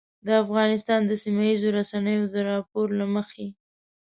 د افغانستان د سیمهییزو رسنیو د راپور له مخې